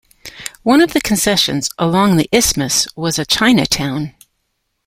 One of the concessions along the isthmus was a "China Town".